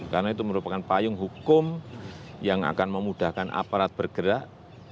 karena itu merupakan payung hukum yang akan memudahkan aparat bergerak